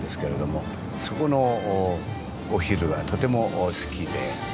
そこのお昼がとても好きで。